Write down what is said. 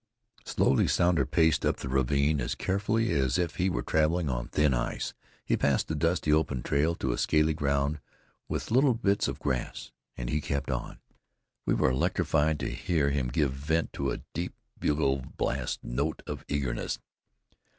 Slowly Sounder paced up the ravine, as carefully as if he were traveling on thin ice. He passed the dusty, open trail to a scaly ground with little bits of grass, and he kept on. We were electrified to hear him give vent to a deep bugle blast note of eagerness.